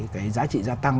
cái giá trị gia tăng